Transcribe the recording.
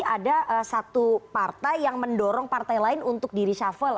ada satu partai yang mendorong partai lain untuk di reshuffle